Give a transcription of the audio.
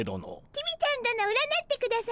公ちゃん殿占ってくだされ。